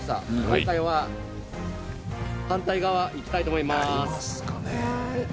今回は反対側行きたいと思います。